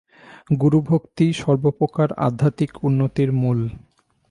গুরুভক্তিই সর্বপ্রকার আধ্যাত্মিক উন্নতির মূল।